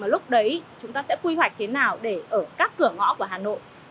lúc đấy chúng ta sẽ quy hoạch thế nào để ở các cửa ngõ của hà nội